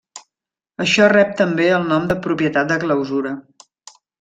Això rep també el nom de propietat de clausura.